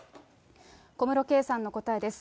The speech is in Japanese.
小室圭さんの答えです。